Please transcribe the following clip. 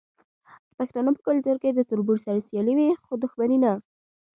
د پښتنو په کلتور کې د تربور سره سیالي وي خو دښمني نه.